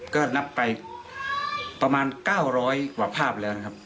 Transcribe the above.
ก็นับไปประมาณ๙๐๐กว่าภาพแล้วนะครับ